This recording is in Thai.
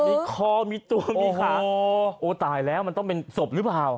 มีคอมีตัวมีขาโอ้ตายแล้วมันต้องเป็นศพหรือเปล่า